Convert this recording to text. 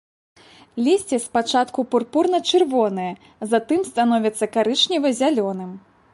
Лісце спачатку пурпурна-чырвонае, затым становяцца карычнева-зялёным.